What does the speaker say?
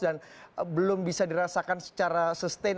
dan belum bisa dirasakan secara sustain